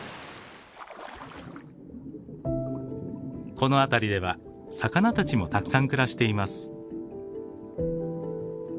この辺りでは魚たちもたくさん暮らしています。